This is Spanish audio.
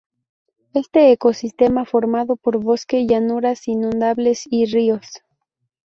Este ecosistema, formado por bosque, llanuras inundables y ríos.